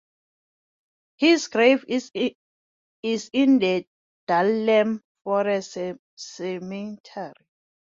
His grave is in the Dahlem forest cemetery.